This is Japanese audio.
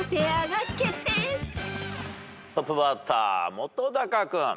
トップバッター本君。